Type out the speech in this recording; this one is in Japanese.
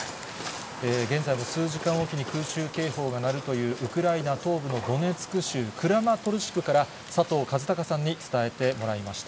現在も数時間置きに空襲警報が鳴るというウクライナ東部のドネツク州クラマトルシクから、佐藤和孝さんに伝えてもらいました。